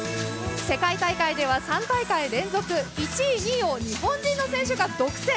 世界大会では３大会連続１位、２位が日本人の選手を独占。